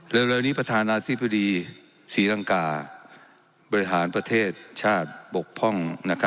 เร็วนี้ประธานาธิบดีศรีรังกาบริหารประเทศชาติบกพร่อง